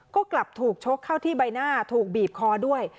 ก็กลับถูกชกเข้าที่ใบหน้าถูกบีบคอด้วย